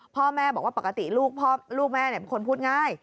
พ่อแม่บอกว่าปกติลูกแม่เป็นคนพูดง่าย